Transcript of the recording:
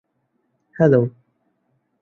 Hello!